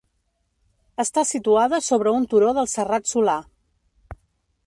Està situada sobre un turó del serrat Solà.